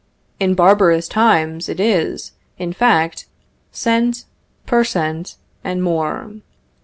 In barbarous times it is, in fact, cent. per cent., and more.